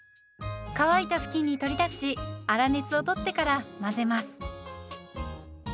乾いた布巾に取り出し粗熱を取ってから混ぜます。